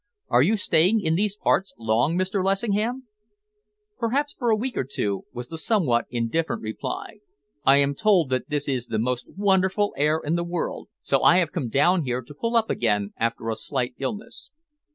Are you staying in these parts long, Mr. Lessingham?" "Perhaps for a week or two," was the somewhat indifferent reply. "I am told that this is the most wonderful air in the world, so I have come down here to pull up again after a slight illness."